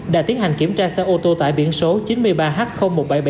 đã tiến hành kiểm tra xe ô tô tại biển số chín mươi ba h một nghìn bảy trăm bảy mươi chín